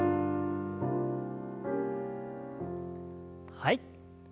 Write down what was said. はい。